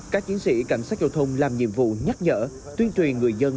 các chiến sĩ cảnh sát giao thông làm nhiệm vụ nhắc nhở tuyên truyền người dân